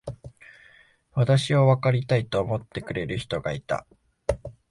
私をわかりたいと思ってくれる人がいた。